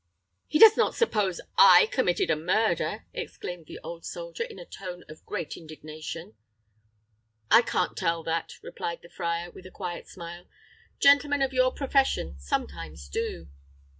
"He does not suppose I committed a murder!" exclaimed the old soldier, in a tone of great indignation. "I can't tell that," replied the friar, with a quiet smile; "gentlemen of your profession sometimes do."